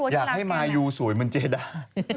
อยากให้มายูสวยเหมือนเจดา